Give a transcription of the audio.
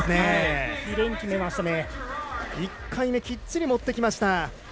１回目きっちり持ってきました。